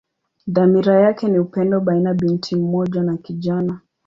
Dhamira yake ni upendo baina binti mmoja na kijana.